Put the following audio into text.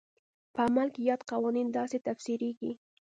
په عمل کې یاد قوانین داسې تفسیرېږي.